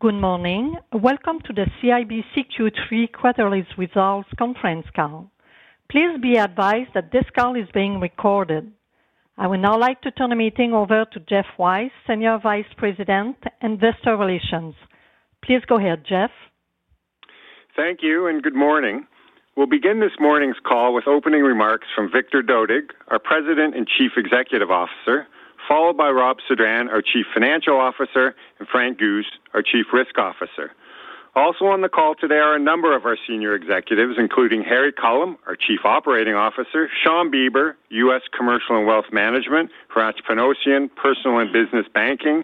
Good morning. Welcome to the CIBC Q3 Quarterly Results Conference call. Please be advised that this call is being recorded. I would now like to turn the meeting over to Geoff Weiss, Senior Vice President, Investor Relations. Please go ahead, Geoff. Thank you, and good morning. We'll begin this morning's call with opening remarks from Victor Dodig, our President and Chief Executive Officer, followed by Robert Sedran, our Chief Financial Officer, and Frank Guse, our Chief Risk Officer. Also on the call today are a number of our senior executives, including Harry Culham, our Chief Operating Officer, Shawn Beber, U.S. Commercial and Wealth Management, Hratch Panossian, Personal and Business Banking,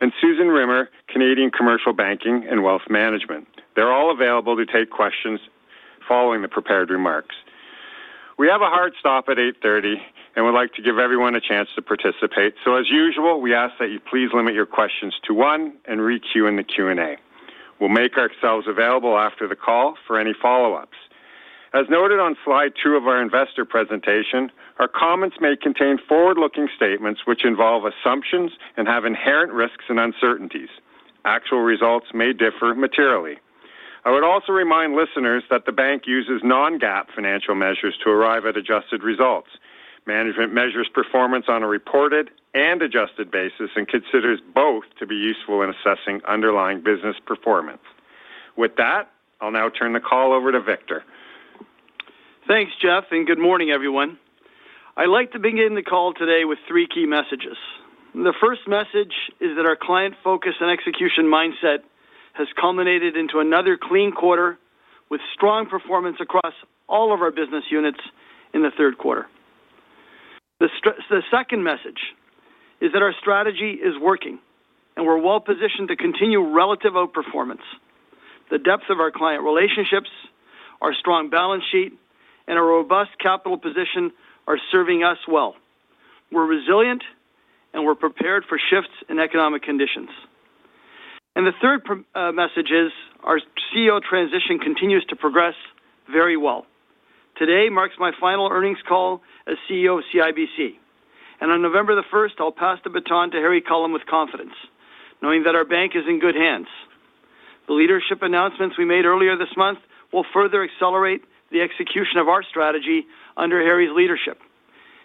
and Susan Rimmer, Canadian Commercial Banking and Wealth Management. They're all available to take questions following the prepared remarks. We have a hard stop at 8:30 A.M. and would like to give everyone a chance to participate. As usual, we ask that you please limit your questions to one and reach you in the Q&A. We'll make ourselves available after the call for any follow-ups. As noted on slide 2 of our investor presentation, our comments may contain forward-looking statements which involve assumptions and have inherent risks and uncertainties. Actual results may differ materially. I would also remind listeners that the bank uses non-GAAP financial measures to arrive at adjusted results. Management measures performance on a reported and adjusted basis and considers both to be useful in assessing underlying business performance. With that, I'll now turn the call over to Victor. Thanks, Geoff, and good morning, everyone. I'd like to begin the call today with three key messages. The first message is that our client focus and execution mindset has culminated into another clean quarter with strong performance across all of our business units in the third quarter. The second message is that our strategy is working and we're well positioned to continue relative outperformance. The depth of our client relationships, our strong balance sheet, and our robust capital position are serving us well. We're resilient and we're prepared for shifts in economic conditions. The third message is our CEO transition continues to progress very well. Today marks my final earnings call as CEO of CIBC, and on November 1st, I'll pass the baton to Harry Culham with confidence, knowing that our bank is in good hands. The leadership announcements we made earlier this month will further accelerate the execution of our strategy under Harry's leadership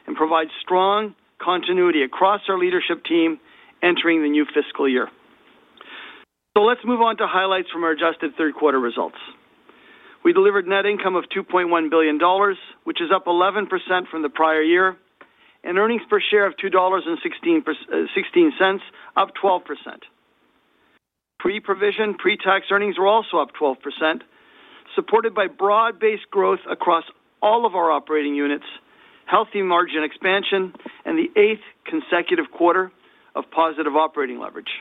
and provide strong continuity across our leadership team entering the new fiscal year. Let's move on to highlights from our adjusted third quarter results. We delivered net income of $2.1 billion, which is up 11% from the prior year, and earnings per share of $2.16, up 12%. Pre-provision, pre-tax earnings were also up 12%, supported by broad-based growth across all of our operating units, healthy margin expansion, and the eighth consecutive quarter of positive operating leverage.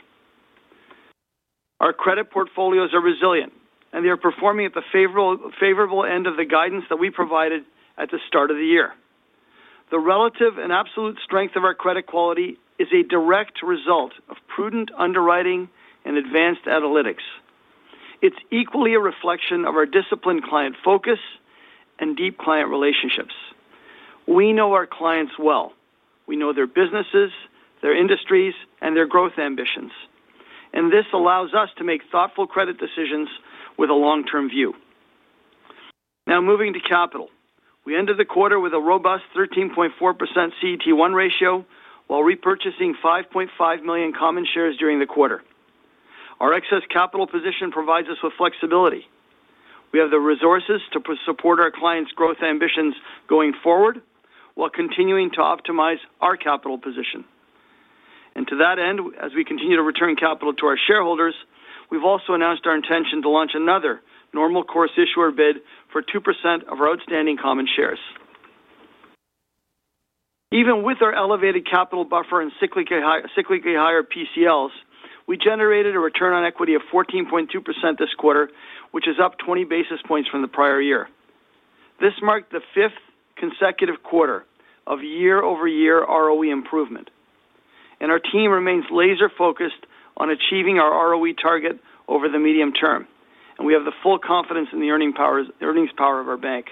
Our credit portfolios are resilient, and they are performing at the favorable end of the guidance that we provided at the start of the year. The relative and absolute strength of our credit quality is a direct result of prudent underwriting and advanced analytics. It's equally a reflection of our disciplined client focus and deep client relationships. We know our clients well. We know their businesses, their industries, and their growth ambitions, and this allows us to make thoughtful credit decisions with a long-term view. Now, moving to capital, we ended the quarter with a robust 13.4% CET1 ratio while repurchasing 5.5 million common shares during the quarter. Our excess capital position provides us with flexibility. We have the resources to support our clients' growth ambitions going forward while continuing to optimize our capital position. To that end, as we continue to return capital to our shareholders, we've also announced our intention to launch another normal course issuer bid for 2% of our outstanding common shares. Even with our elevated capital buffer and cyclically higher PCLs, we generated a return on equity of 14.2% this quarter, which is up 20 basis points from the prior year. This marked the fifth consecutive quarter of year-over-year ROE improvement, and our team remains laser-focused on achieving our ROE target over the medium term. We have full confidence in the earnings power of our bank.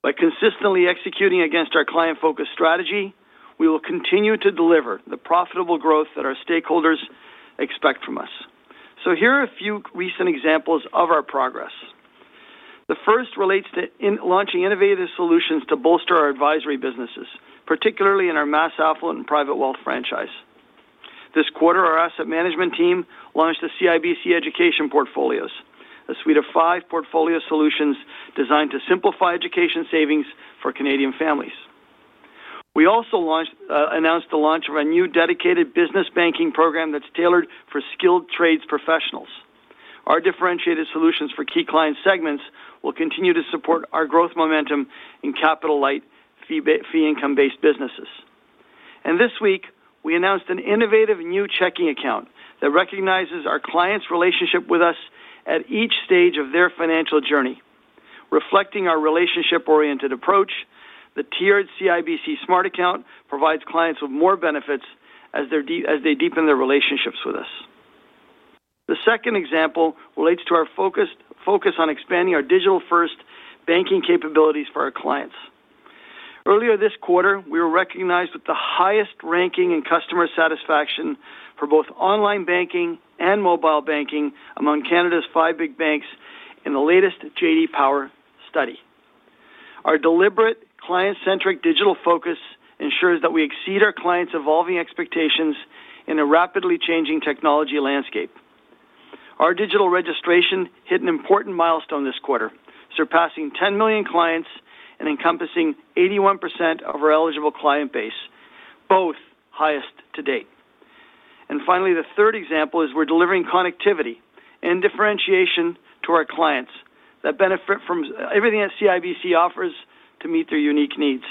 By consistently executing against our client-focused strategy, we will continue to deliver the profitable growth that our stakeholders expect from us. Here are a few recent examples of our progress. The first relates to launching innovative solutions to bolster our advisory businesses, particularly in our mass affluent and private wealth franchise. This quarter, our asset management team launched the CIBC Education Portfolios, a suite of five portfolio solutions designed to simplify education savings for Canadian families. We also announced the launch of a new dedicated business banking program that's tailored for skilled trades professionals. Our differentiated solutions for key client segments will continue to support our growth momentum in capital-light, fee-income-based businesses. This week, we announced an innovative new checking account that recognizes our client's relationship with us at each stage of their financial journey. Reflecting our relationship-oriented approach, the tiered CIBC Smart Account provides clients with more benefits as they deepen their relationships with us. The second example relates to our focus on expanding our digital-first banking capabilities for our clients. Earlier this quarter, we were recognized with the highest ranking in customer satisfaction for both online banking and mobile banking among Canada's five big banks in the latest J.D. Power study. Our deliberate, client-centric digital focus ensures that we exceed our clients' evolving expectations in a rapidly changing technology landscape. Our digital registrations hit an important milestone this quarter, surpassing 10 million clients and encompassing 81% of our eligible client base, both highest to date. Finally, the third example is we're delivering connectivity and differentiation to our clients that benefit from everything that CIBC offers to meet their unique needs.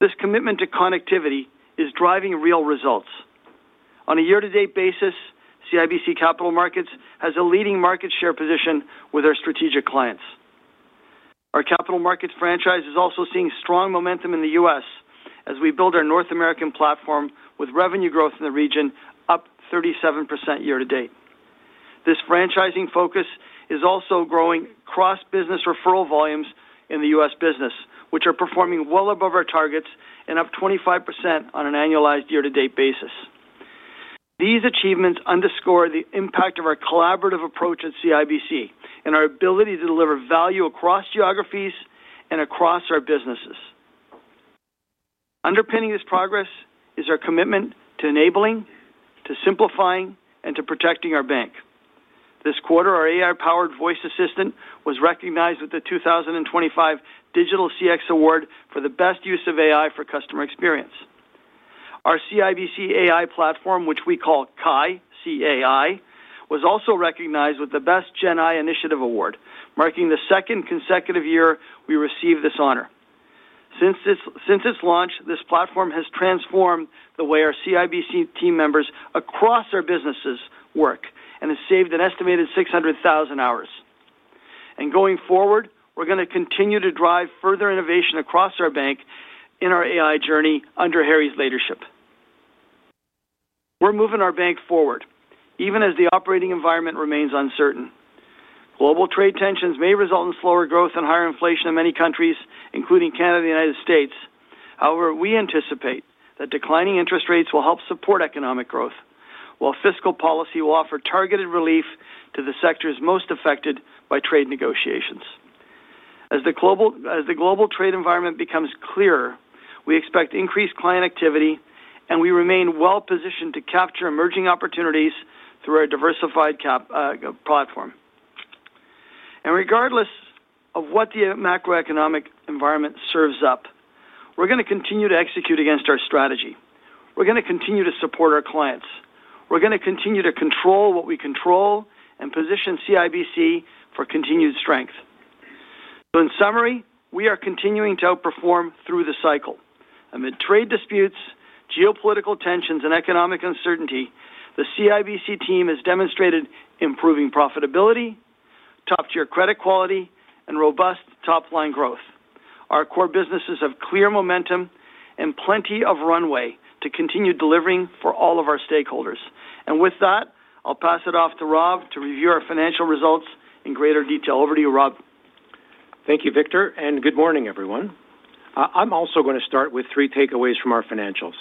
This commitment to connectivity is driving real results. On a year-to-date basis, CIBC Capital Markets has a leading market share position with our strategic clients. Our Capital Markets franchise is also seeing strong momentum in the U.S. as we build our North American platform with revenue growth in the region up 37% year to date. This franchising focus is also growing cross-business referral volumes in the U.S. business, which are performing well above our targets and up 25% on an annualized year-to-date basis. These achievements underscore the impact of our collaborative approach at CIBC and our ability to deliver value across geographies and across our businesses. Underpinning this progress is our commitment to enabling, to simplifying, and to protecting our bank. This quarter, our AI-powered voice assistant was recognized with the 2025 Digital CX Award for the best use of AI for customer experience. Our CIBC AI platform, which we call CAI, was also recognized with the Best Gen AI Initiative Award, marking the second consecutive year we received this honor. Since its launch, this platform has transformed the way our CIBC team members across our businesses work and has saved an estimated 600,000 hours. Going forward, we're going to continue to drive further innovation across our bank in our AI journey under Harry's leadership. We're moving our bank forward, even as the operating environment remains uncertain. Global trade tensions may result in slower growth and higher inflation in many countries, including Canada and the U.S. However, we anticipate that declining interest rates will help support economic growth, while fiscal policy will offer targeted relief to the sectors most affected by trade negotiations. As the global trade environment becomes clearer, we expect increased client activity, and we remain well positioned to capture emerging opportunities through our diversified platform. Regardless of what the macroeconomic environment serves up, we're going to continue to execute against our strategy. We're going to continue to support our clients. We're going to continue to control what we control and position CIBC for continued strength. In summary, we are continuing to outperform through the cycle. Amid trade disputes, geopolitical tensions, and economic uncertainty, the CIBC team has demonstrated improving profitability, top-tier credit quality, and robust top-line growth. Our core businesses have clear momentum and plenty of runway to continue delivering for all of our stakeholders. With that, I'll pass it off to Rob to review our financial results in greater detail. Over to you, Rob. Thank you, Victor, and good morning, everyone. I'm also going to start with three takeaways from our financials.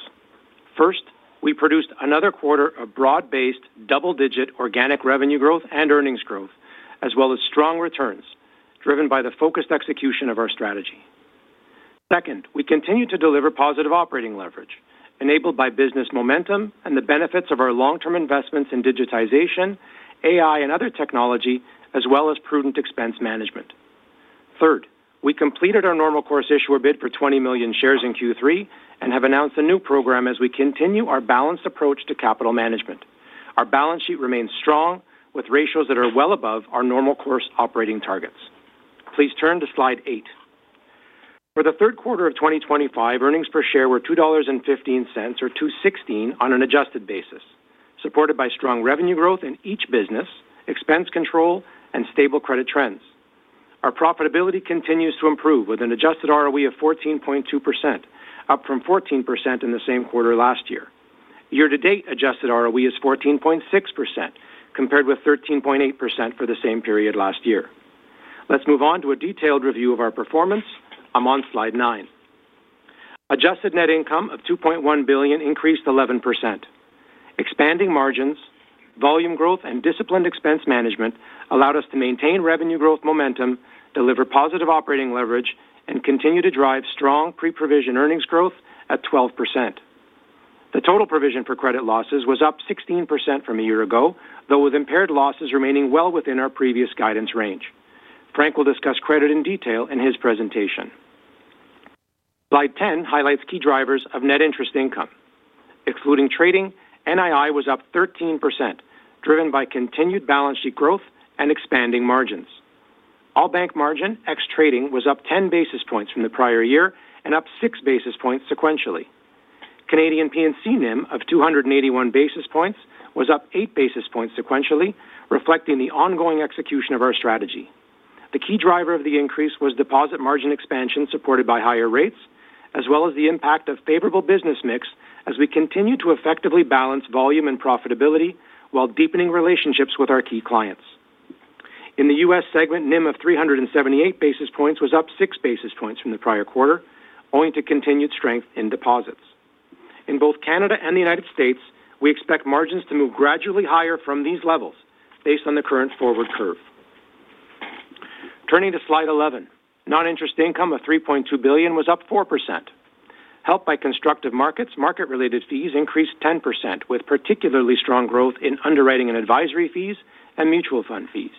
First, we produced another quarter of broad-based, double-digit organic revenue growth and earnings growth, as well as strong returns driven by the focused execution of our strategy. Second, we continue to deliver positive operating leverage enabled by business momentum and the benefits of our long-term investments in digitization, AI, and other technology, as well as prudent expense management. Third, we completed our normal course issuer bid for 20 million shares in Q3 and have announced a new program as we continue our balanced approach to capital management. Our balance sheet remains strong with ratios that are well above our normal course operating targets. Please turn to slide 8. For the third quarter of 2025, earnings per share were $2.15, or $2.16 on an adjusted basis, supported by strong revenue growth in each business, expense control, and stable credit trends. Our profitability continues to improve with an adjusted ROE of 14.2%, up from 14% in the same quarter last year. Year-to-date adjusted ROE is 14.6% compared with 13.8% for the same period last year. Let's move on to a detailed review of our performance. I'm on slide 9. Adjusted net income of $2.1 billion increased 11%. Expanding margins, volume growth, and disciplined expense management allowed us to maintain revenue growth momentum, deliver positive operating leverage, and continue to drive strong pre-provision earnings growth at 12%. The total provision for credit losses was up 16% from a year ago, though with impaired losses remaining well within our previous guidance range. Frank will discuss credit in detail in his presentation. Slide 10 highlights key drivers of net interest income. Excluding trading, NII was up 13%, driven by continued balance sheet growth and expanding margins. All bank margin, excluding trading, was up 10 basis points from the prior year and up 6 basis points sequentially. Canadian P&C NIM of 281 basis points was up 8 basis points sequentially, reflecting the ongoing execution of our strategy. The key driver of the increase was deposit margin expansion supported by higher rates, as well as the impact of favorable business mix as we continue to effectively balance volume and profitability while deepening relationships with our key clients. In the U.S. segment, NIM of 378 basis points was up 6 basis points from the prior quarter, owing to continued strength in deposits. In both Canada and the U.S., we expect margins to move gradually higher from these levels based on the current forward curve. Turning to slide 11, non-interest income of $3.2 billion was up 4%. Helped by constructive markets, market-related fees increased 10%, with particularly strong growth in underwriting and advisory fees and mutual fund fees.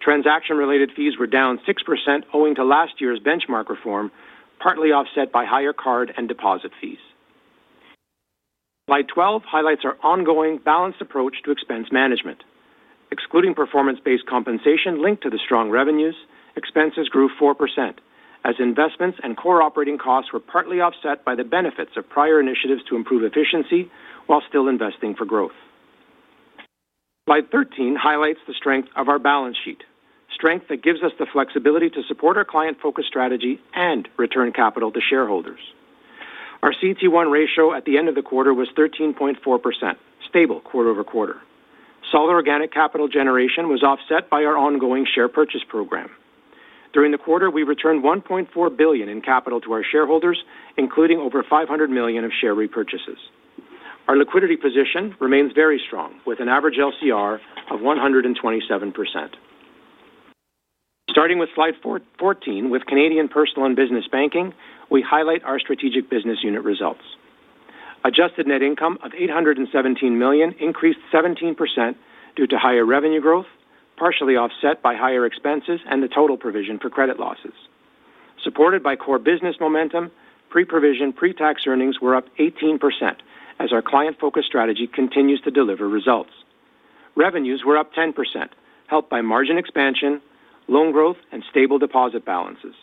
Transaction-related fees were down 6%, owing to last year's benchmark reform, partly offset by higher card and deposit fees. Slide 12 highlights our ongoing balanced approach to expense management. Excluding performance-based compensation linked to the strong revenues, expenses grew 4% as investments and core operating costs were partly offset by the benefits of prior initiatives to improve efficiency while still investing for growth. Slide 13 highlights the strength of our balance sheet, strength that gives us the flexibility to support our client-focused strategy and return capital to shareholders. Our CET1 ratio at the end of the quarter was 13.4%, stable quarter over quarter. Solid organic capital generation was offset by our ongoing share purchase program. During the quarter, we returned $1.4 billion in capital to our shareholders, including over $500 million of share repurchases. Our liquidity position remains very strong, with an average LCR of 127%. Starting with slide 14, with Canadian Personal and Business Banking, we highlight our strategic business unit results. Adjusted net income of $817 million increased 17% due to higher revenue growth, partially offset by higher expenses and the total provision for credit losses. Supported by core business momentum, pre-provision, pre-tax earnings were up 18% as our client-focused strategy continues to deliver results. Revenues were up 10%, helped by margin expansion, loan growth, and stable deposit balances.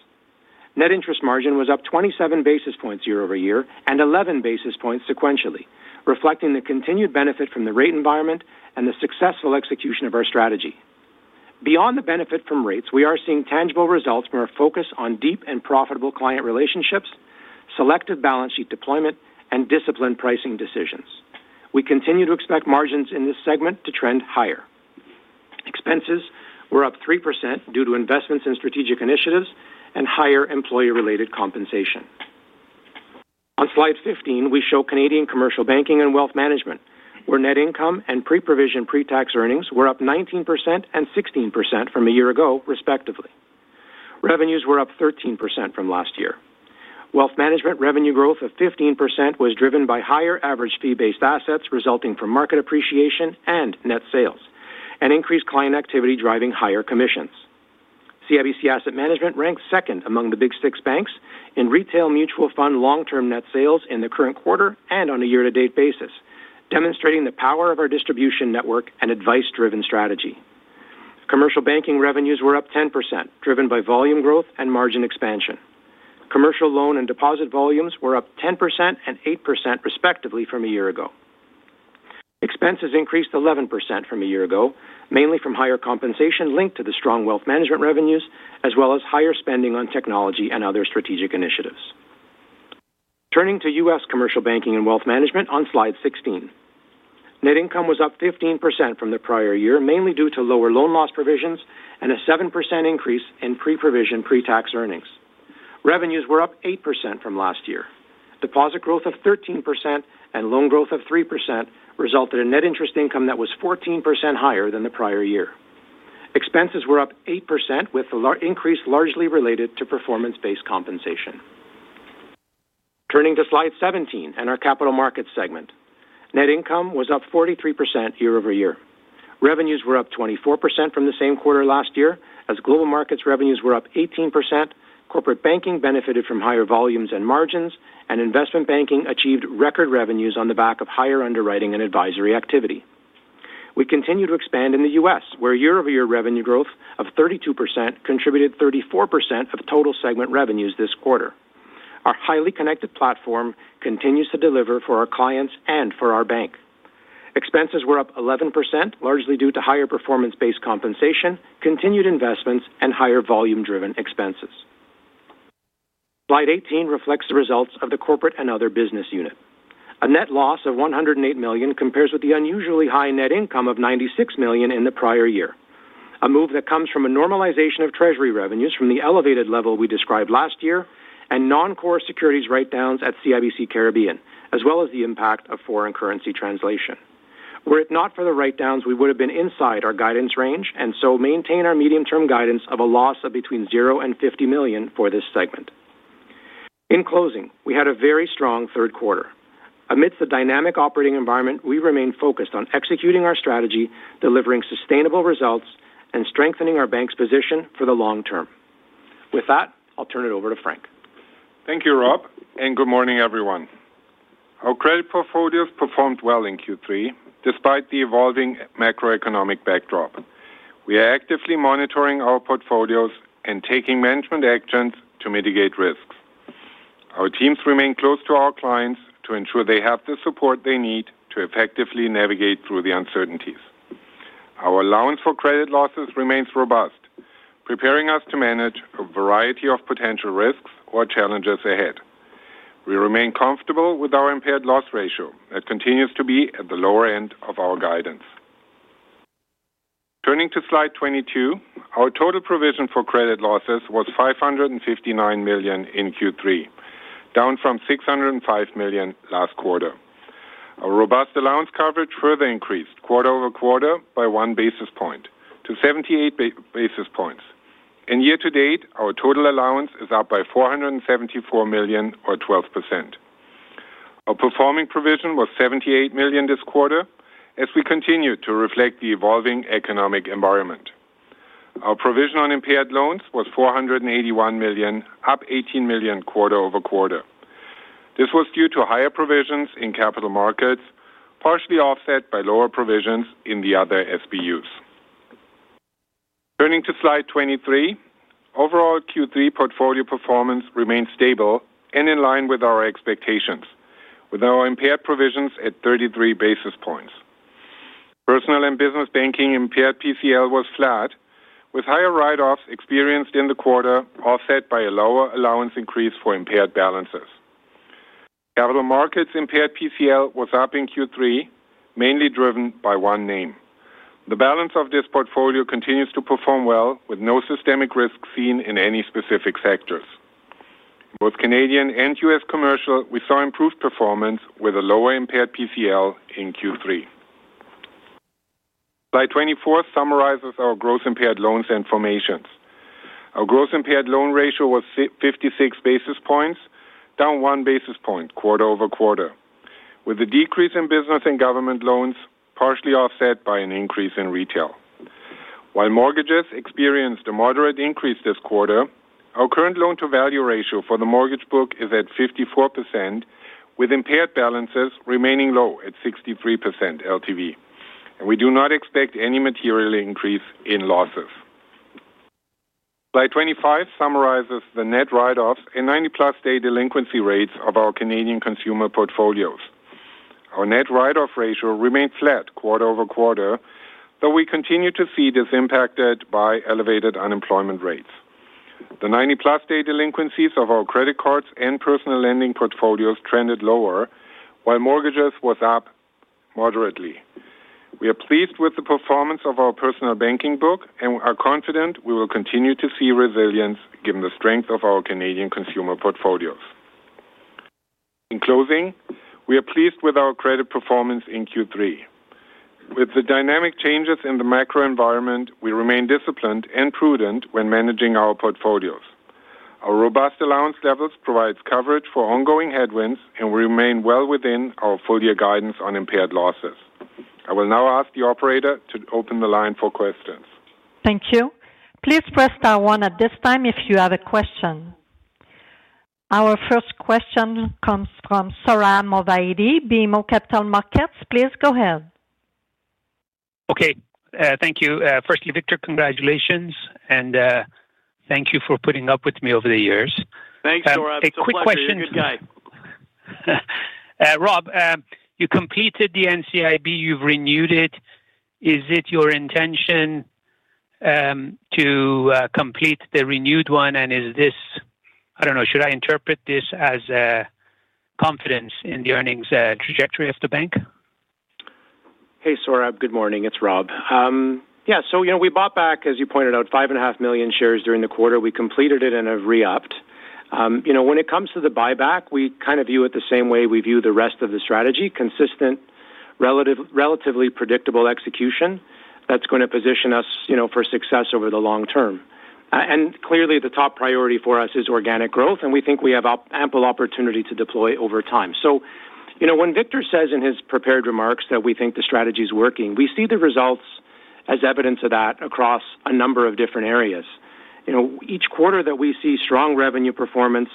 Net interest margin was up 27 basis points year over year and 11 basis points sequentially, reflecting the continued benefit from the rate environment and the successful execution of our strategy. Beyond the benefit from rates, we are seeing tangible results from our focus on deep and profitable client relationships, selective balance sheet deployment, and disciplined pricing decisions. We continue to expect margins in this segment to trend higher. Expenses were up 3% due to investments in strategic initiatives and higher employer-related compensation. On slide 15, we show Canadian Commercial Banking and Wealth Management, where net income and pre-provision pre-tax earnings were up 19% and 16% from a year ago, respectively. Revenues were up 13% from last year. Wealth Management revenue growth of 15% was driven by higher average fee-based assets resulting from market appreciation and net sales, and increased client activity driving higher commissions. CIBC Asset Management ranked second among the big six banks in retail mutual fund long-term net sales in the current quarter and on a year-to-date basis, demonstrating the power of our distribution network and advice-driven strategy. Commercial banking revenues were up 10%, driven by volume growth and margin expansion. Commercial loan and deposit volumes were up 10% and 8%, respectively, from a year ago. Expenses increased 11% from a year ago, mainly from higher compensation linked to the strong Wealth Management revenues, as well as higher spending on technology and other strategic initiatives. Turning to U.S. Commercial Banking and Wealth Management on slide 16. Net income was up 15% from the prior year, mainly due to lower loan loss provisions and a 7% increase in pre-provision pre-tax earnings. Revenues were up 8% from last year. Deposit growth of 13% and loan growth of 3% resulted in net interest income that was 14% higher than the prior year. Expenses were up 8%, with the increase largely related to performance-based compensation. Turning to slide 17 and our Capital Markets segment. Net income was up 43% year over year. Revenues were up 24% from the same quarter last year, as Global Markets revenues were up 18%. Corporate banking benefited from higher volumes and margins, and investment banking achieved record revenues on the back of higher underwriting and advisory activity. We continue to expand in the U.S., where year-over-year revenue growth of 32% contributed 34% of total segment revenues this quarter. Our highly connected platform continues to deliver for our clients and for our bank. Expenses were up 11%, largely due to higher performance-based compensation, continued investments, and higher volume-driven expenses. Slide 18 reflects the results of the corporate and other business unit. A net loss of $108 million compares with the unusually high net income of $96 million in the prior year, a move that comes from a normalization of Treasury revenues from the elevated level we described last year and non-core securities write-downs at CIBC Caribbean, as well as the impact of foreign currency translation. Were it not for the write-downs, we would have been inside our guidance range and maintain our medium-term guidance of a loss of between $0 and $50 million for this segment. In closing, we had a very strong third quarter. Amidst the dynamic operating environment, we remain focused on executing our strategy, delivering sustainable results, and strengthening our bank's position for the long term. With that, I'll turn it over to Frank. Thank you, Rob, and good morning, everyone. Our credit portfolios performed well in Q3, despite the evolving macroeconomic backdrop. We are actively monitoring our portfolios and taking management actions to mitigate risks. Our teams remain close to our clients to ensure they have the support they need to effectively navigate through the uncertainties. Our allowance for credit losses remains robust, preparing us to manage a variety of potential risks or challenges ahead. We remain comfortable with our impaired loss ratio that continues to be at the lower end of our guidance. Turning to slide 22, our total provision for credit losses was $559 million in Q3, down from $605 million last quarter. Our robust allowance coverage further increased quarter over quarter by one basis point to 78 basis points, and year to date, our total allowance is up by $474 million, or 12%. Our performing provision was $78 million this quarter, as we continue to reflect the evolving economic environment. Our provision on impaired loans was $481 million, up $18 million quarter over quarter. This was due to higher provisions in Capital Markets, partially offset by lower provisions in the other SBUs. Turning to slide 23, overall Q3 portfolio performance remains stable and in line with our expectations, with our impaired provisions at 33 basis points. Personal and Business Banking impaired PCL was flat, with higher write-offs experienced in the quarter offset by a lower allowance increase for impaired balances. Capital Markets impaired PCL was up in Q3, mainly driven by one name. The balance of this portfolio continues to perform well, with no systemic risk seen in any specific sectors. Both Canadian and U.S. Commercial, we saw improved performance with a lower impaired PCL in Q3. Slide 24 summarizes our gross impaired loans and formations. Our gross impaired loan ratio was 56 basis points, down one basis point quarter over quarter, with a decrease in business and government loans partially offset by an increase in retail. While mortgages experienced a moderate increase this quarter, our current loan-to-value ratio for the mortgage book is at 54%, with impaired balances remaining low at 63% LTV, and we do not expect any material increase in losses. Slide 25 summarizes the net write-offs and 90-plus-day delinquency rates of our Canadian consumer portfolios. Our net write-off ratio remained flat quarter over quarter, though we continue to see this impacted by elevated unemployment rates. The 90-plus-day delinquencies of our credit cards and personal lending portfolios trended lower, while mortgages were up moderately. We are pleased with the performance of our personal banking book and are confident we will continue to see resilience given the strength of our Canadian consumer portfolios. In closing, we are pleased with our credit performance in Q3. With the dynamic changes in the macro environment, we remain disciplined and prudent when managing our portfolios. Our robust allowance levels provide coverage for ongoing headwinds, and we remain well within our full-year guidance on impaired losses. I will now ask the operator to open the line for questions. Thank you. Please press star one at this time if you have a question. Our first question comes from Sohrab Movahedi, BMO Capital Markets. Please go ahead. Okay, thank you. Firstly, Victor, congratulations and thank you for putting up with me over the years. Thanks, Sohram. A quick question. You're a good guy. Rob, you completed the normal course issuer bid, you've renewed it. Is it your intention to complete the renewed one? Should I interpret this as a confidence in the earnings trajectory of the bank? Hey, Sohrab. Good morning. It's Rob. Yeah, you know, we bought back, as you pointed out, 5.5 million shares during the quarter. We completed it in a re-up. When it comes to the buyback, we kind of view it the same way we view the rest of the strategy: consistent, relatively predictable execution that's going to position us for success over the long term. Clearly, the top priority for us is organic growth, and we think we have ample opportunity to deploy over time. When Victor says in his prepared remarks that we think the strategy is working, we see the results as evidence of that across a number of different areas. Each quarter that we see strong revenue performance,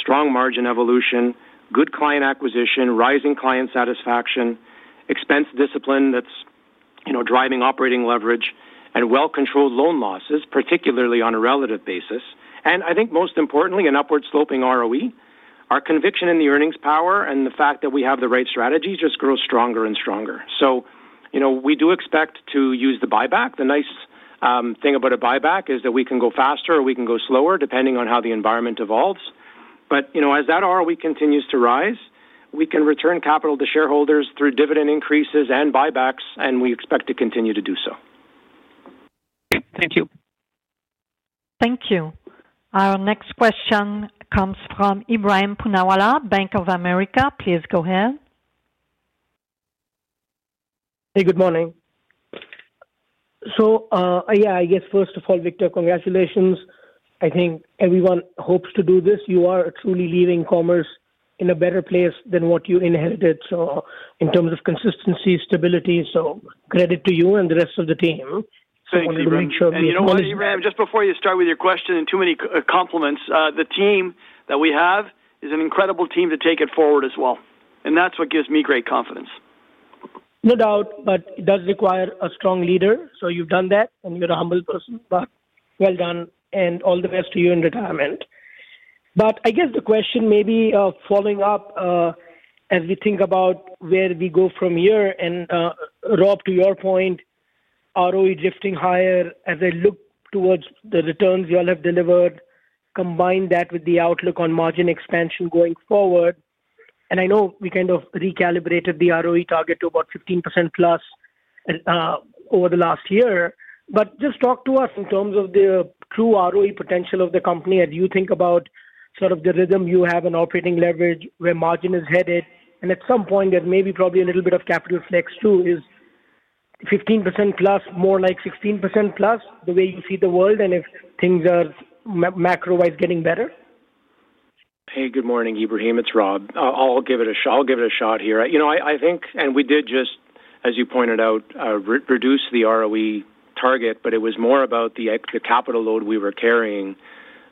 strong margin evolution, good client acquisition, rising client satisfaction, expense discipline that's driving operating leverage, and well-controlled loan losses, particularly on a relative basis, and I think most importantly, an upward sloping ROE, our conviction in the earnings power and the fact that we have the right strategies just grow stronger and stronger. We do expect to use the buyback. The nice thing about a buyback is that we can go faster or we can go slower, depending on how the environment evolves. As that ROE continues to rise, we can return capital to shareholders through dividend increases and buybacks, and we expect to continue to do so. Thank you. Thank you. Our next question comes from Ebrahim Poonawala, Bank of America. Please go ahead. Hey, good morning. First of all, Victor, congratulations. I think everyone hopes to do this. You are truly leaving CIBC in a better place than what you inherited. In terms of consistency and stability, credit to you and the rest of the team. You know what Ebrahim, just before you start with your question and too many compliments, the team that we have is an incredible team to take it forward as well. That's what gives me great confidence. No doubt, it does require a strong leader. You've done that and you're a humble person, but well done, and all the best to you in retirement. I guess the question may be following up as we think about where we go from here. Rob, to your point, ROE drifting higher as I look towards the returns you all have delivered, combine that with the outlook on margin expansion going forward. I know we kind of recalibrated the ROE target to about 15%+ over the last year. Just talk to us in terms of the true ROE potential of the company as you think about sort of the rhythm you have in operating leverage, where margin is headed, and at some point, there may be probably a little bit of capital flex too. Is 15%+ more like 16%+ the way you see the world and if things are macro-wise getting better? Hey, good morning, Ebrahim. It's Rob. I'll give it a shot here. I think, and we did just, as you pointed out, reduce the ROE target, but it was more about the capital load we were carrying.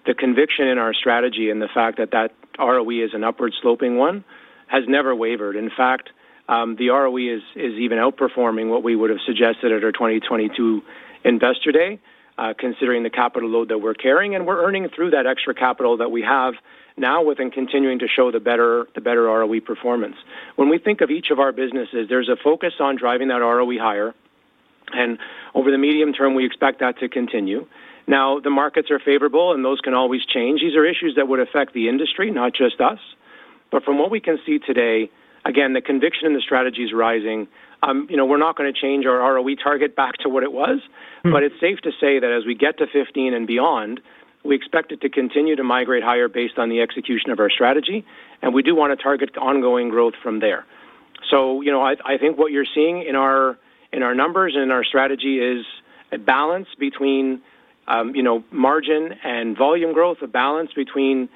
The conviction in our strategy and the fact that that ROE is an upward sloping one has never wavered. In fact, the ROE is even outperforming what we would have suggested at our 2022 Investor Day, considering the capital load that we're carrying and we're earning through that extra capital that we have now with continuing to show the better ROE performance. When we think of each of our businesses, there's a focus on driving that ROE higher, and over the medium term, we expect that to continue. The markets are favorable and those can always change. These are issues that would affect the industry, not just us. From what we can see today, again, the conviction in the strategy is rising. We're not going to change our ROE target back to what it was, but it's safe to say that as we get to 15% and beyond, we expect it to continue to migrate higher based on the execution of our strategy, and we do want to target ongoing growth from there. I think what you're seeing in our numbers and in our strategy is a balance between margin and volume growth, a balance between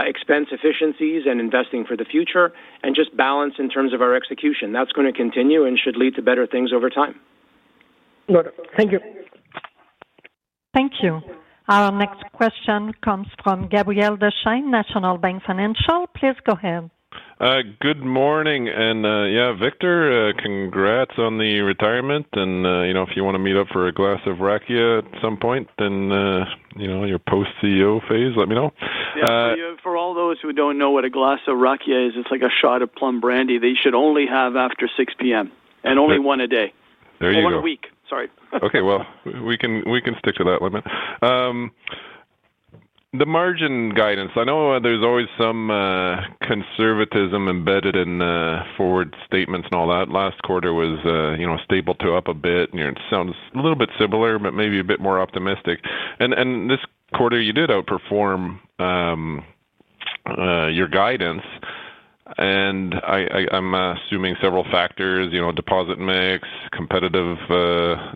expense efficiencies and investing for the future, and just balance in terms of our execution. That's going to continue and should lead to better things over time. Noted. Thank you. Thank you. Our next question comes from Gabriel Dechaine, National Bank Financial. Please go ahead. Good morning, and Victor, congrats on the retirement, and if you want to meet up for a glass of rakia at some point in your post-CEO phase, let me know. Yeah, for all those who don't know what a glass of rakia is, it's like a shot of plum brandy that you should only have after 6:00 P.M. and only one a day. There you go. One a week. Sorry. Okay, we can stick to that limit. The margin guidance, I know there's always some conservatism embedded in forward statements and all that. Last quarter was, you know, stable to up a bit, and it sounds a little bit similar, but maybe a bit more optimistic. This quarter you did outperform your guidance, and I'm assuming several factors, you know, deposit mix, competitive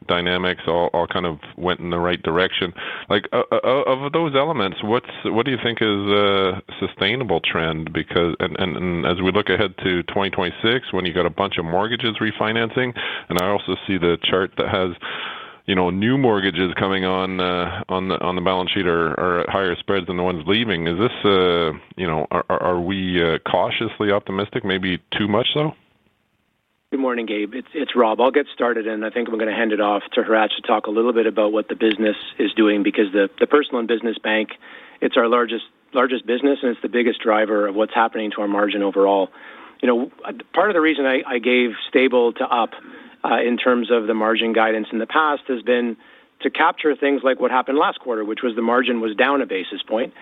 dynamics, all kind of went in the right direction. Of those elements, what do you think is a sustainable trend? As we look ahead to 2026, when you got a bunch of mortgages refinancing, and I also see the chart that has, you know, new mortgages coming on the balance sheet are at higher spreads than the ones leaving. Is this, you know, are we cautiously optimistic? Maybe too much so? Good morning, Gabe. It's Rob. I'll get started, and I think I'm going to hand it off to Hratch to talk a little bit about what the business is doing because the Personal and Business Bank, it's our largest business, and it's the biggest driver of what's happening to our margin overall. Part of the reason I gave stable to up in terms of the margin guidance in the past has been to capture things like what happened last quarter, which was the margin was down a basis point.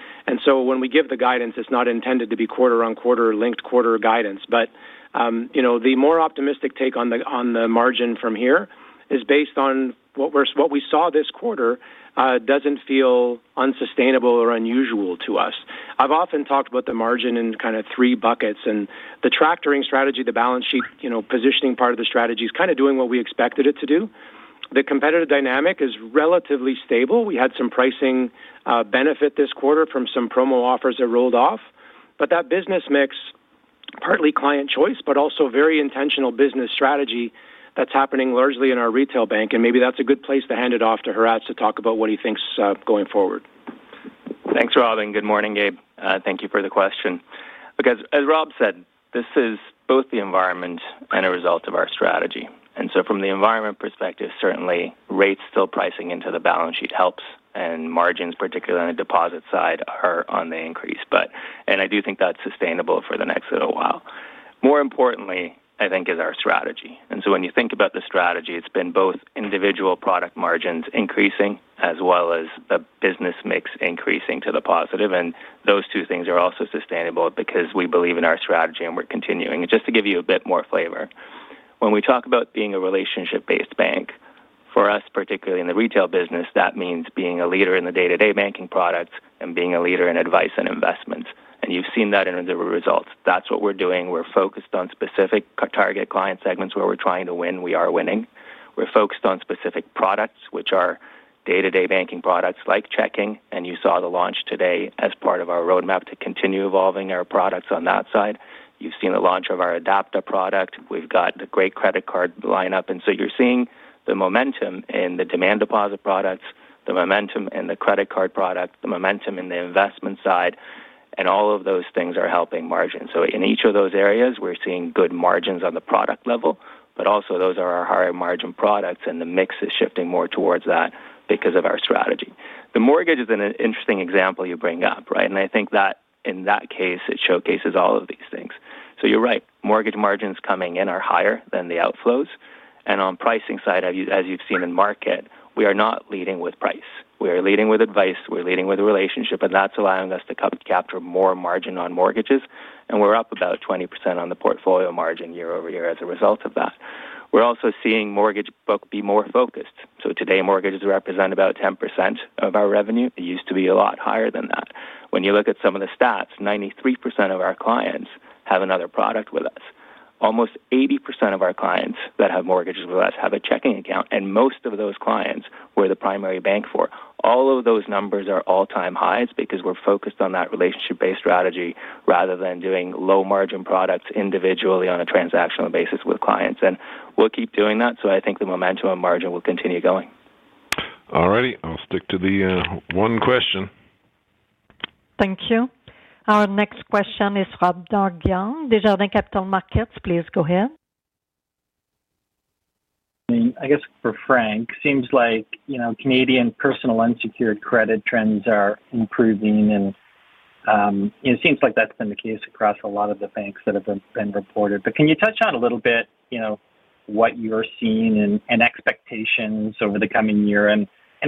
When we give the guidance, it's not intended to be quarter-on-quarter linked quarter guidance. The more optimistic take on the margin from here is based on what we saw this quarter, doesn't feel unsustainable or unusual to us. I've often talked about the margin in kind of three buckets, and the tractoring strategy, the balance sheet, positioning part of the strategy is kind of doing what we expected it to do. The competitive dynamic is relatively stable. We had some pricing benefit this quarter from some promo offers that rolled off. That business mix, partly client choice, but also very intentional business strategy that's happening largely in our retail bank, and maybe that's a good place to hand it off to Hratch to talk about what he thinks going forward. Thanks, Rob, and good morning, Gabe. Thank you for the question. Because, as Rob said, this is both the environment and a result of our strategy. From the environment perspective, certainly rates still pricing into the balance sheet helps, and margins, particularly on the deposit side, are on the increase. I do think that's sustainable for the next little while. More importantly, I think, is our strategy. When you think about the strategy, it's been both individual product margins increasing as well as the business mix increasing to the positive. Those two things are also sustainable because we believe in our strategy and we're continuing. Just to give you a bit more flavor, when we talk about being a relationship-based bank, for us, particularly in the retail business, that means being a leader in the day-to-day banking products and being a leader in advice and investments. You've seen that in the results. That's what we're doing. We're focused on specific target client segments where we're trying to win. We are winning. We're focused on specific products, which are day-to-day banking products like checking. You saw the launch today as part of our roadmap to continue evolving our products on that side. You've seen the launch of our Adapta product. We've got a great credit card lineup. You're seeing the momentum in the demand deposit products, the momentum in the credit card product, the momentum in the investment side, and all of those things are helping margins. In each of those areas, we're seeing good margins on the product level, but also those are our higher margin products, and the mix is shifting more towards that because of our strategy. The mortgage is an interesting example you bring up, right? I think that in that case, it showcases all of these things. You're right. Mortgage margins coming in are higher than the outflows. On the pricing side, as you've seen in the market, we are not leading with price. We are leading with advice. We're leading with a relationship, and that's allowing us to capture more margin on mortgages. We're up about 20% on the portfolio margin year over year as a result of that. We're also seeing mortgage book be more focused. Today, mortgages represent about 10% of our revenue. It used to be a lot higher than that. When you look at some of the stats, 93% of our clients have another product with us. Almost 80% of our clients that have mortgages with us have a checking account, and most of those clients we're the primary bank for. All of those numbers are all-time highs because we're focused on that relationship-based strategy rather than doing low margin products individually on a transactional basis with clients. We'll keep doing that. I think the momentum of margin will continue going. All right, I'll stick to the one question. Thank you. Our next question is from Doug Young, Desjardins Capital Markets. Please go ahead. I guess for Frank, it seems like, you know, Canadian personal unsecured credit trends are improving, and it seems like that's been the case across a lot of the banks that have been reported. Can you touch on a little bit, you know, what you're seeing and expectations over the coming year?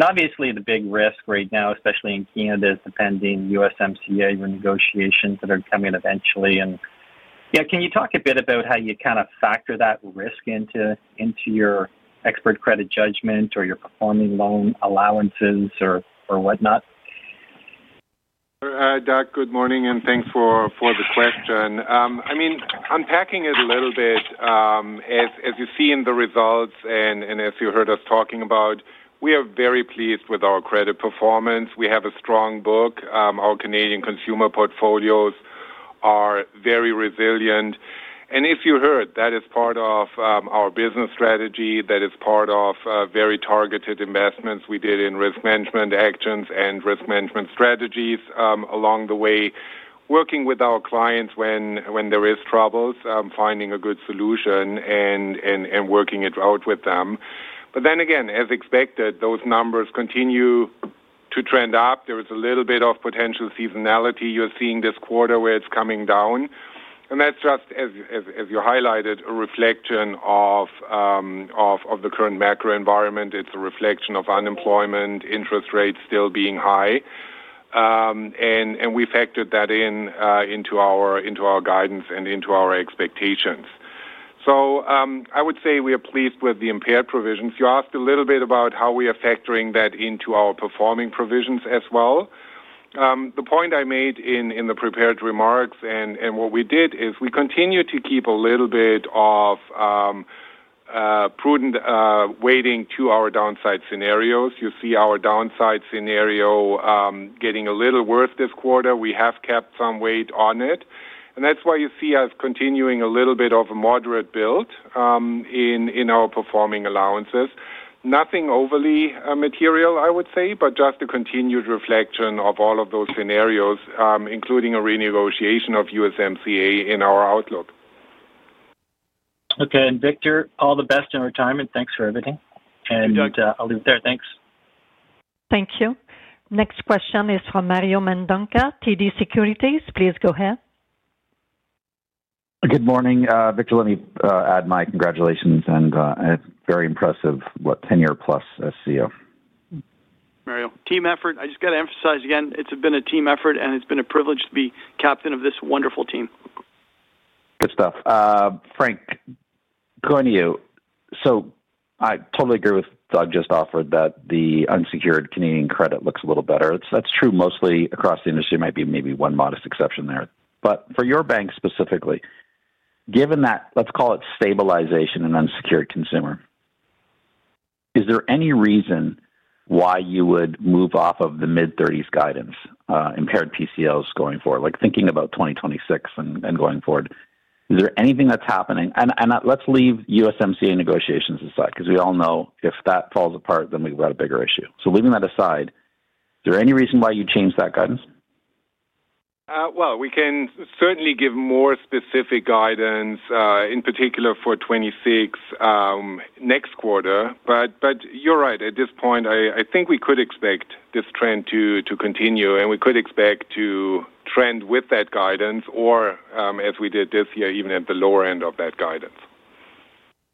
Obviously, the big risk right now, especially in Canada, is the pending USMCA negotiations that are coming eventually. Can you talk a bit about how you kind of factor that risk into your expert credit judgment or your common loan allowances or whatnot? Doug, good morning, and thanks for the question. I mean, unpacking it a little bit, as you see in the results and as you heard us talking about, we are very pleased with our credit performance. We have a strong book. Our Canadian consumer portfolios are very resilient. That is part of our business strategy. That is part of very targeted investments we did in risk management actions and risk management strategies along the way, working with our clients when there are troubles, finding a good solution, and working it out with them. As expected, those numbers continue to trend up. There is a little bit of potential seasonality you're seeing this quarter where it's coming down. That's just, as you highlighted, a reflection of the current macro environment. It's a reflection of unemployment, interest rates still being high. We factored that into our guidance and into our expectations. I would say we are pleased with the impaired provisions. You asked a little bit about how we are factoring that into our performing provisions as well. The point I made in the prepared remarks and what we did is we continue to keep a little bit of prudent weighting to our downside scenarios. You see our downside scenario getting a little worse this quarter. We have kept some weight on it. That's why you see us continuing a little bit of a moderate build in our performing allowances. Nothing overly material, I would say, but just a continued reflection of all of those scenarios, including a renegotiation of USMCA in our outlook. Okay, Victor, all the best in retirement. Thanks for everything. I'll leave it there. Thanks. Thank you. Next question is from Mario Mendonca, TD Securities. Please go ahead. Good morning, Victor. Let me add my congratulations, and it's very impressive what 10-year plus CEO. Mario, team effort. I just got to emphasize again, it's been a team effort, and it's been a privilege to be captain of this wonderful team. Good stuff. Frank, going to you. I totally agree with Doug, just offered that the unsecured Canadian credit looks a little better. That's true mostly across the industry. It might be maybe one modest exception there. For your bank specifically, given that, let's call it stabilization in unsecured consumer, is there any reason why you would move off of the mid-30s guidance, impaired PCLs going forward? Like thinking about 2026 and going forward, is there anything that's happening? Let's leave USMCA negotiations aside because we all know if that falls apart, then we've got a bigger issue. Leaving that aside, is there any reason why you'd change that guidance? We can certainly give more specific guidance, in particular for 2026 next quarter. You're right, at this point, I think we could expect this trend to continue, and we could expect to trend with that guidance, or as we did this year, even at the lower end of that guidance.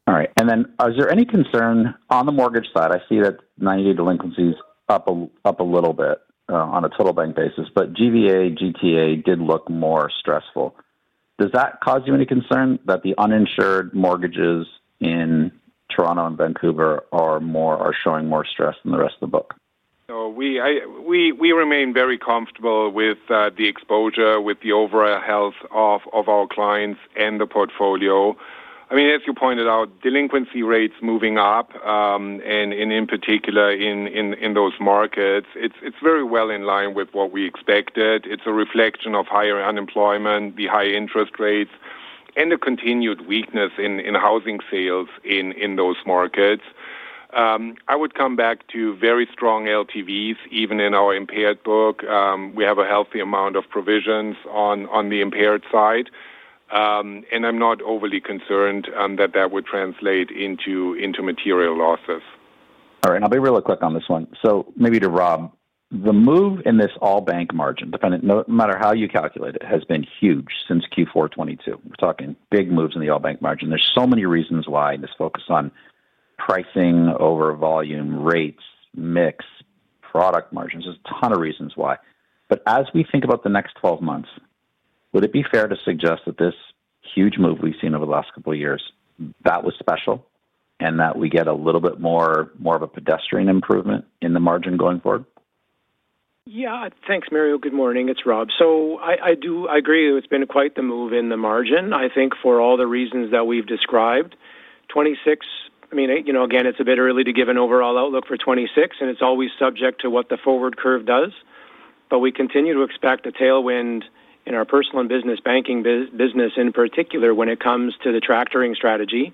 All right. Is there any concern on the mortgage side? I see that 90-day delinquencies are up a little bit on a total bank basis, but GVA, GTA did look more stressful. Does that cause you any concern that the uninsured mortgages in Toronto and Vancouver are showing more stress than the rest of the book? No, we remain very comfortable with the exposure, with the overall health of our clients and the portfolio. I mean, as you pointed out, delinquency rates moving up, and in particular in those markets, it's very well in line with what we expected. It's a reflection of higher unemployment, the high interest rates, and the continued weakness in housing sales in those markets. I would come back to very strong LTVs, even in our impaired book. We have a healthy amount of provisions on the impaired side, and I'm not overly concerned that that would translate into material losses. All right, I'll be real quick on this one. Maybe to Rob, the move in this all-bank margin, dependent no matter how you calculate it, has been huge since Q4 2022. We're talking big moves in the all-bank margin. There are so many reasons why, and it's focused on pricing, over volume, rates, mix, product margins. There are a ton of reasons why. As we think about the next 12 months, would it be fair to suggest that this huge move we've seen over the last couple of years was special, and that we get a little bit more of a pedestrian improvement in the margin going forward? Yeah, thanks, Mario. Good morning. It's Rob. I agree, it's been quite the move in the margin, I think, for all the reasons that we've described. 2026, I mean, you know, again, it's a bit early to give an overall outlook for 2026, and it's always subject to what the forward curve does. We continue to expect a tailwind in our Personal and Business Banking business, in particular, when it comes to the tractoring strategy.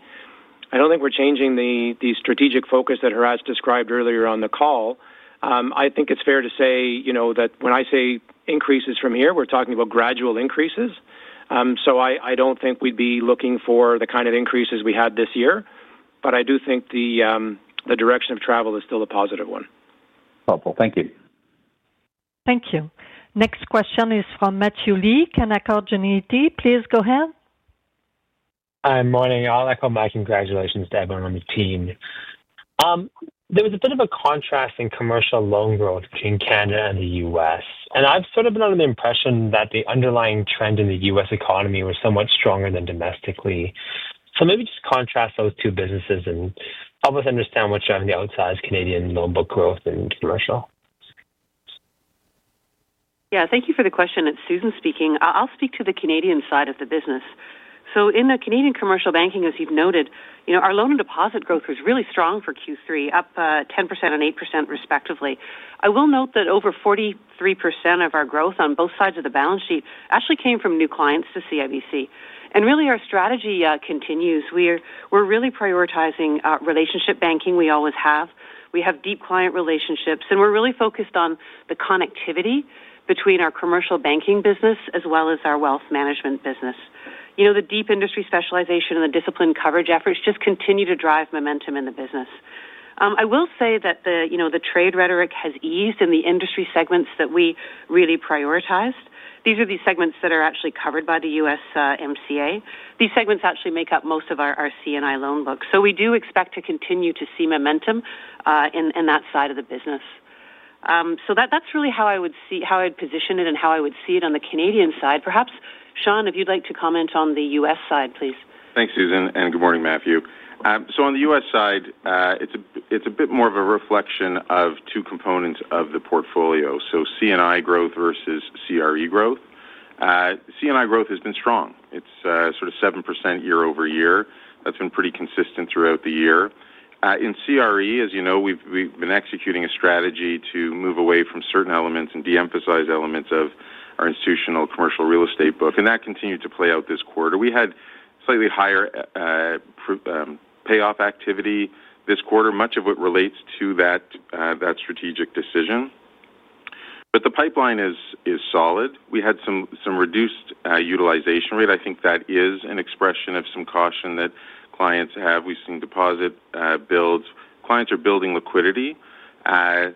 I don't think we're changing the strategic focus that Hratch described earlier on the call. I think it's fair to say, you know, that when I say increases from here, we're talking about gradual increases. I don't think we'd be looking for the kind of increases we had this year. I do think the direction of travel is still a positive one. Helpful. Thank you. Thank you. Next question is from Matthew Lee at Canaccord Genuity. Please go ahead. Hi, morning. I'll echo my congratulations to everyone on the team. There was a bit of a contrast in commercial loan growth between Canada and the U.S. I've sort of been under the impression that the underlying trend in the U.S. economy was somewhat stronger than domestically. Maybe just contrast those two businesses and help us understand what's driving the outsized Canadian loan book growth in commercial. Yeah, thank you for the question. It's Susan speaking. I'll speak to the Canadian side of the business. In the Canadian commercial banking, as you've noted, our loan and deposit growth was really strong for Q3, up 10% and 8% respectively. I will note that over 43% of our growth on both sides of the balance sheet actually came from new clients to CIBC. Our strategy continues. We're really prioritizing relationship banking. We always have. We have deep client relationships, and we're really focused on the connectivity between our commercial banking business as well as our wealth management business. The deep industry specialization and the disciplined coverage efforts just continue to drive momentum in the business. I will say that the trade rhetoric has eased in the industry segments that we really prioritized. These are the segments that are actually covered by the USMCA. These segments actually make up most of our CNI loan books. We do expect to continue to see momentum in that side of the business. That's really how I would see how I'd position it and how I would see it on the Canadian side. Perhaps, Shawn, if you'd like to comment on the U.S. side, please. Thanks, Susan, and good morning, Matthew. On the U.S. side, it's a bit more of a reflection of two components of the portfolio: CNI growth versus CRE growth. CNI growth has been strong. It's sort of 7% year over year. That's been pretty consistent throughout the year. In CRE, as you know, we've been executing a strategy to move away from certain elements and de-emphasize elements of our institutional commercial real estate book. That continued to play out this quarter. We had slightly higher payoff activity this quarter, much of it relates to that strategic decision. The pipeline is solid. We had some reduced utilization rate. I think that is an expression of some caution that clients have. We've seen deposit builds. Clients are building liquidity. I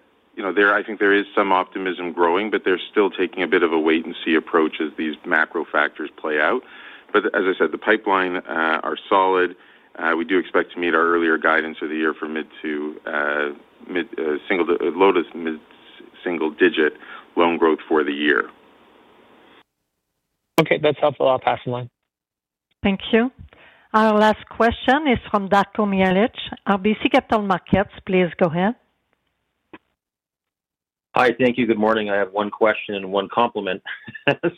think there is some optimism growing, but they're still taking a bit of a wait-and-see approach as these macro factors play out. The pipeline is solid. We do expect to meet our earlier guidance of the year for mid-single-digit loan growth for the year. Okay, that's helpful. I'll pass the line. Thank you. Our last question is from Darko Mihelic, RBC Capital Markets. Please go ahead. Hi, thank you. Good morning. I have one question and one compliment. I'll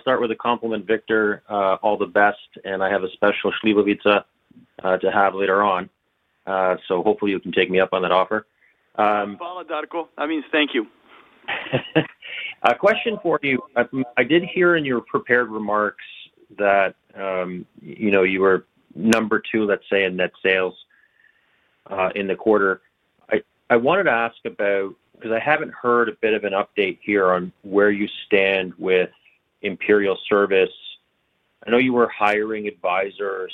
start with a compliment, Victor. All the best. I have a special šljivovica to have later on. Hopefully you can take me up on that offer. Thank you, Darko. I mean, thank you. A question for you. I did hear in your prepared remarks that you were number two, let's say, in net sales in the quarter. I wanted to ask about, because I haven't heard a bit of an update here on where you stand with Imperial Service. I know you were hiring advisors.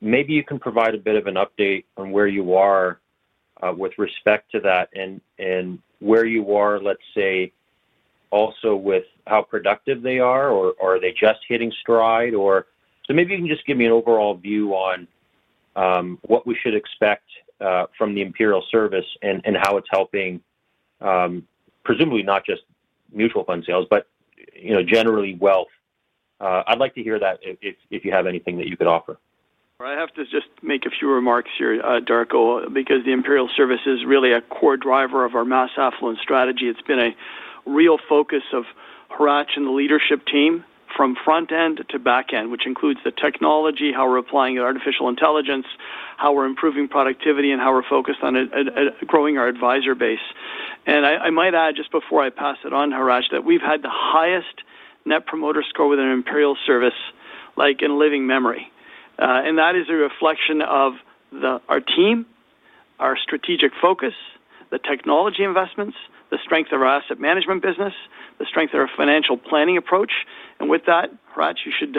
Maybe you can provide a bit of an update on where you are with respect to that and where you are, let's say, also with how productive they are, or are they just hitting stride? Maybe you can just give me an overall view on what we should expect from the Imperial Service and how it's helping, presumably not just mutual fund sales, but you know, generally wealth. I'd like to hear that if you have anything that you could offer. I have to just make a few remarks here, Darko, because the Imperial Service is really a core driver of our mass affluence strategy. It's been a real focus of Hratch and the leadership team from front end to back end, which includes the technology, how we're applying artificial intelligence, how we're improving productivity, and how we're focused on growing our advisor base. I might add just before I pass it on, Hratch, that we've had the highest net promoter score within Imperial Service, like in living memory. That is a reflection of our team, our strategic focus, the technology investments, the strength of our asset management business, the strength of our financial planning approach. With that, Hratch, you should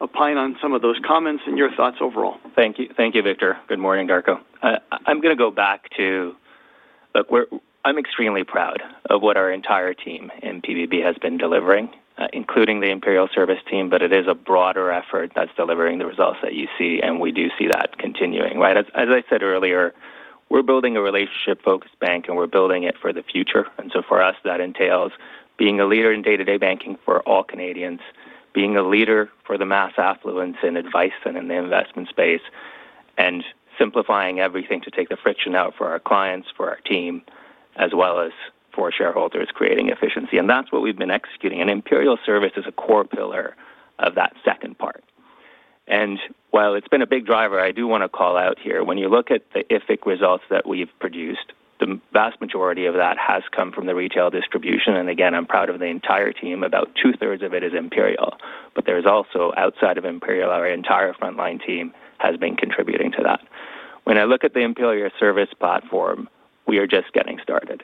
opine on some of those comments and your thoughts overall. Thank you, Victor. Good morning, Darko. I'm going to go back to, look, I'm extremely proud of what our entire team in Personal and Business Banking has been delivering, including the Imperial Service team, but it is a broader effort that's delivering the results that you see, and we do see that continuing, right? As I said earlier, we're building a relationship-focused bank, and we're building it for the future. For us, that entails being a leader in day-to-day banking for all Canadians, being a leader for the mass affluence in advice and in the investment space, and simplifying everything to take the friction out for our clients, for our team, as well as for shareholders, creating efficiency. That's what we've been executing. Imperial Service is a core pillar of that second part. While it's been a big driver, I do want to call out here, when you look at the IFIC results that we've produced, the vast majority of that has come from the retail distribution. Again, I'm proud of the entire team. About two-thirds of it is Imperial. There's also, outside of Imperial, our entire frontline team has been contributing to that. When I look at the Imperial Service platform, we are just getting started.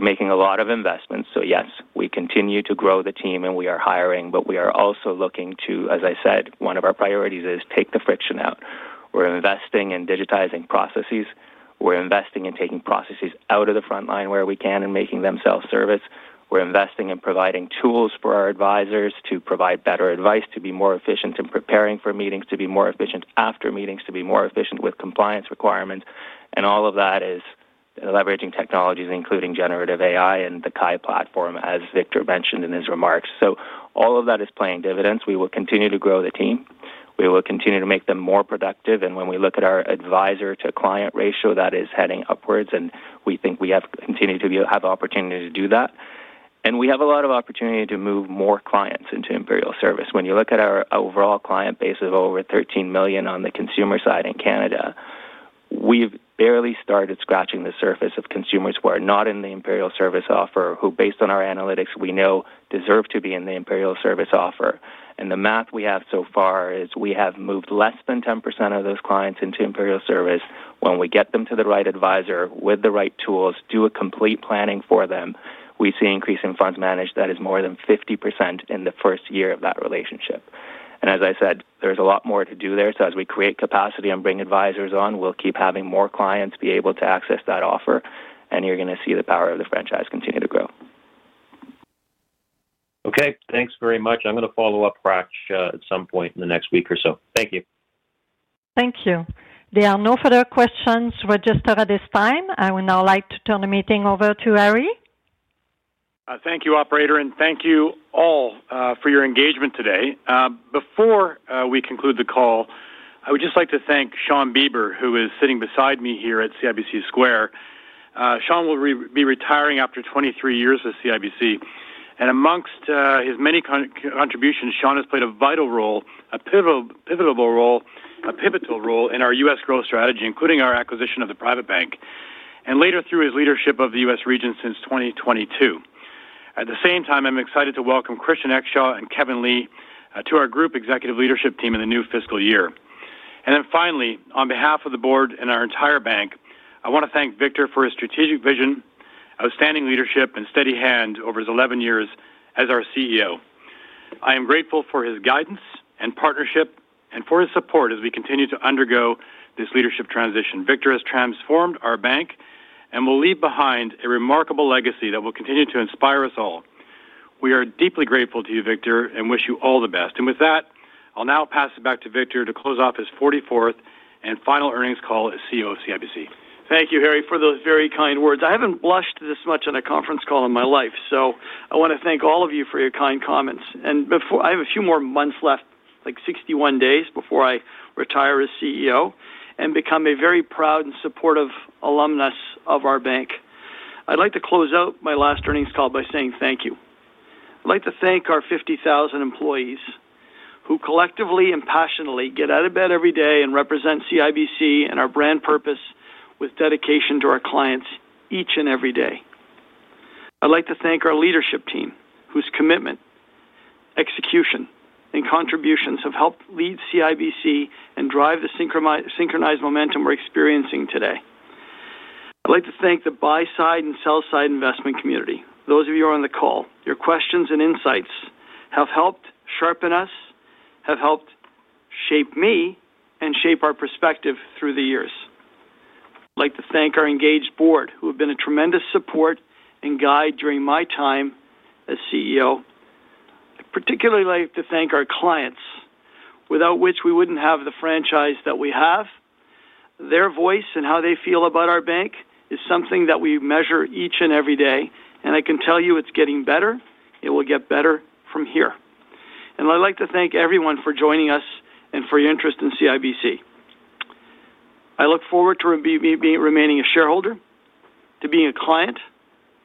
We're making a lot of investments. Yes, we continue to grow the team, and we are hiring, but we are also looking to, as I said, one of our priorities is take the friction out. We're investing in digitizing processes. We're investing in taking processes out of the frontline where we can and making them self-service. We're investing in providing tools for our advisors to provide better advice, to be more efficient in preparing for meetings, to be more efficient after meetings, to be more efficient with compliance requirements. All of that is leveraging technologies, including generative AI and the CAI platform, as Victor mentioned in his remarks. All of that is playing dividends. We will continue to grow the team. We will continue to make them more productive. When we look at our advisor-to-client ratio, that is heading upwards, and we think we have continued to have the opportunity to do that. We have a lot of opportunity to move more clients into Imperial Service. When you look at our overall client base of over 13 million on the consumer side in Canada, we've barely started scratching the surface of consumers who are not in the Imperial Service offer, who, based on our analytics, we know deserve to be in the Imperial Service offer. The math we have so far is we have moved less than 10% of those clients into Imperial Service. When we get them to the right advisor with the right tools, do a complete planning for them, we see increase in funds managed that is more than 50% in the first year of that relationship. There is a lot more to do there. As we create capacity and bring advisors on, we'll keep having more clients be able to access that offer. You are going to see the power of the franchise continue to grow. Okay, thanks very much. I'm going to follow up, Hratch, at some point in the next week or so. Thank you. Thank you. There are no further questions registered at this time. I would now like to turn the meeting over to Harry. Thank you, operator, and thank you all for your engagement today. Before we conclude the call, I would just like to thank Shawn Beber, who is sitting beside me here at CIBC Square. Shawn will be retiring after 23 years at CIBC. Amongst his many contributions, Shawn has played a vital role, a pivotal role in our U.S. growth strategy, including our acquisition of the Private Bank, and later through his leadership of the U.S. region since 2022. At the same time, I'm excited to welcome Christian Exshaw and Kevin Li to our group executive leadership team in the new fiscal year. Finally, on behalf of the board and our entire bank, I want to thank Victor for his strategic vision, outstanding leadership, and steady hand over his 11 years as our CEO. I am grateful for his guidance and partnership and for his support as we continue to undergo this leadership transition. Victor has transformed our bank and will leave behind a remarkable legacy that will continue to inspire us all. We are deeply grateful to you, Victor, and wish you all the best. With that, I'll now pass it back to Victor to close off his 44th and final earnings call as CEO of CIBC. Thank you, Harry, for those very kind words. I haven't blushed this much on a conference call in my life, so I want to thank all of you for your kind comments. I have a few more months left, like 61 days before I retire as CEO and become a very proud and supportive alumnus of our bank. I'd like to close out my last earnings call by saying thank you. I'd like to thank our 50,000 employees who collectively and passionately get out of bed every day and represent CIBC and our brand purpose with dedication to our clients each and every day. I'd like to thank our leadership team, whose commitment, execution, and contributions have helped lead CIBC and drive the synchronized momentum we're experiencing today. I'd like to thank the buy-side and sell-side investment community, those of you who are on the call. Your questions and insights have helped sharpen us, have helped shape me, and shape our perspective through the years. I'd like to thank our engaged board, who have been a tremendous support and guide during my time as CEO. I'd particularly like to thank our clients, without which we wouldn't have the franchise that we have. Their voice and how they feel about our bank is something that we measure each and every day, and I can tell you it's getting better. It will get better from here. Thank you everyone for joining us and for your interest in CIBC. I look forward to remaining a shareholder, to being a client,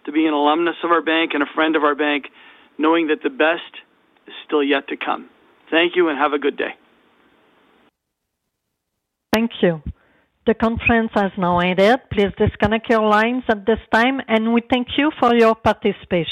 to being an alumnus of our bank and a friend of our bank, knowing that the best is still yet to come. Thank you and have a good day. Thank you. The conference has now ended. Please disconnect your lines at this time, and we thank you for your participation.